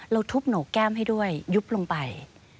ทุบโหนกแก้มให้ด้วยยุบลงไป